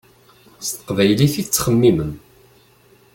S teqbaylit i tettxemmimem.